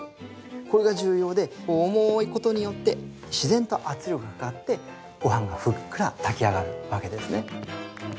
これが重要で重いことによって自然と圧力がかかってごはんがふっくら炊き上がるわけですね。